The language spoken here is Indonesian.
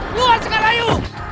keluar sekarang ayo